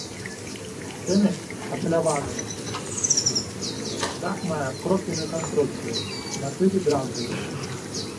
Сцены ашаляваныя, дах мае кроквенную канструкцыю, накрыты дранкай.